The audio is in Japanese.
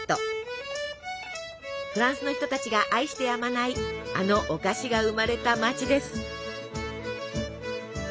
フランスの人たちが愛してやまないあのお菓子が生まれた街です。